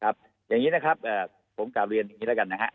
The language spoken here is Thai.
อย่างนี้นะครับผมกลับเรียนอย่างนี้แล้วกันนะฮะ